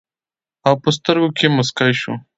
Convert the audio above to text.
او پۀ سترګو کښې مسکے شو